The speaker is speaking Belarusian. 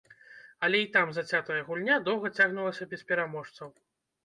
Але і там зацятая гульня доўга цягнулася без пераможцаў.